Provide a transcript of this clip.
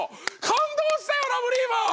感動したよラブリーマン！